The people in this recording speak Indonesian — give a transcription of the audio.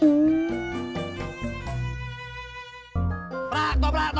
tau prak tau prak